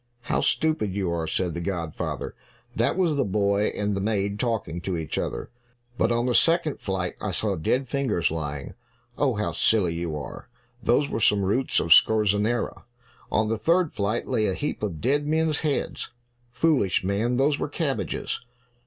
"How stupid you are!" said the godfather. "That was the boy and the maid talking to each other." "But on the second flight I saw dead fingers lying." "Oh, how silly you are! Those were some roots of scorzonera." "On the third flight lay a heap of dead men's heads." "Foolish man, those were cabbages."